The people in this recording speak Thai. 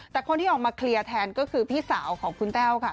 แต่คนที่ออกมาเคลียร์แทนก็คือพี่สาวของคุณแต้วค่ะ